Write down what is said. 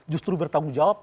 justru bertanggung jawab